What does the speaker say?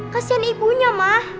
kasian ibunya ma